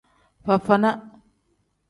Fafana.